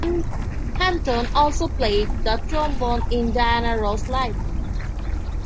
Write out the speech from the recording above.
Hampton also played the trombone in Diana Ross Live!